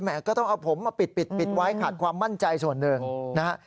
ก็ต้องเอาผมมาปิดปิดไว้ขาดความมั่นใจส่วนหนึ่งนะฮะ